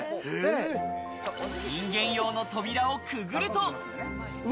人間用の扉をくぐると。